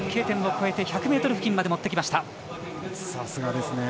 Ｋ点も越えて１００ｍ付近まで持ってきました。